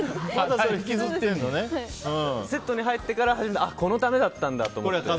セットに入ってからこのためだったんだと思って。